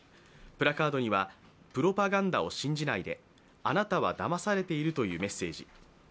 プラカードには「プロパガンダを信じないで、あなたはだまされている」というメッセージ。